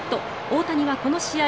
大谷はこの試合